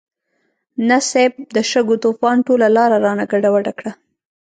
نه صيب، د شګو طوفان ټوله لاره رانه ګډوډه کړه.